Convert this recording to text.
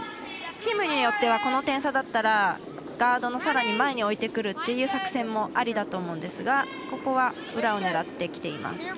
チームによってはこの点差だったらガードのさらに前に置いてくるっていう作戦もありだと思うんですがここは裏を狙ってきています。